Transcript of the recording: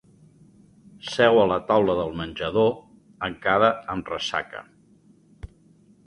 Seu a la taula del menjador, encara amb ressaca.